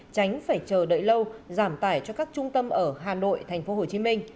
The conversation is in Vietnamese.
tránh phải chờ đợi lâu giảm tải cho các trung tâm ở hà nội tp hcm